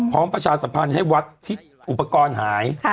ประชาสัมพันธ์ให้วัดที่อุปกรณ์หาย